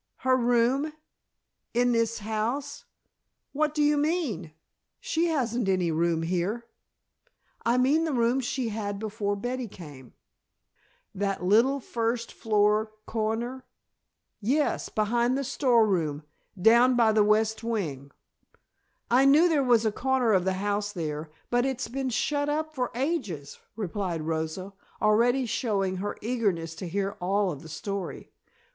"Her room? In this house? What do you mean? She hasn't any room here!" "I mean the room she had before Betty came " "That little first floor corner " "Yes, behind the storeroom, down by the west wing " "I knew there was a corner of the house there, but it's been shut up for ages," replied Rosa, already showing her eagerness to hear all of the story.